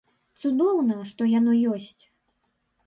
Цудоўна, што яно ёсць.